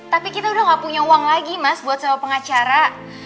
tapi kita udah gak punya uang lagi mas buat sama pengacara